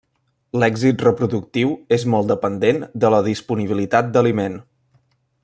L'èxit reproductiu és molt dependent de la disponibilitat d'aliment.